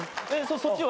そっちは？